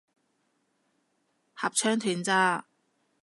合唱團咋